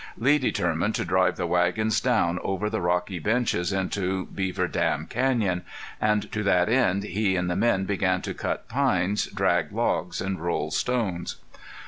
Lee determined to drive the wagons down over the rocky benches into Beaver Dam Canyon; and to that end he and the men began to cut pines, drag logs, and roll stones.